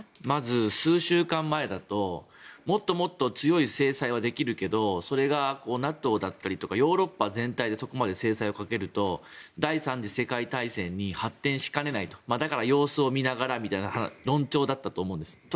まず数週間前だともっともっと強い制裁はできるけどそれがＮＡＴＯだったりヨーロッパ全体でそこまで制裁をかけると第３次世界大戦に発展しかねないだから様子を見ながらみたいな論調だったと思うんです。